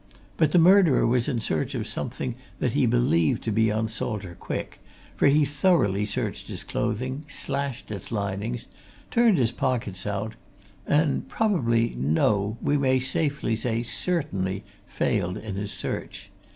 But the murderer was in search of something that he believed to be on Salter Quick, for he thoroughly searched his clothing, slashed its linings, turned his pockets out and probably, no, we may safely say certainly, failed in his search.